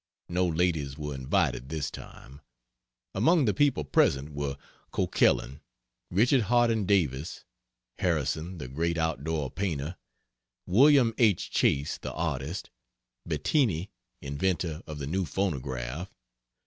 No ladies were invited this time. Among the people present were Coquelin; Richard Harding Davis; Harrison, the great out door painter; Wm. H. Chase, the artist; Bettini, inventor of the new phonograph.